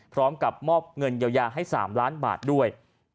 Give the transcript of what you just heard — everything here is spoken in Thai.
พร้อมกับมอบเงินเยียวยาให้๓ล้านบาทด้วย